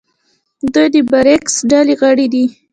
دوی د بریکس ډلې غړي دي.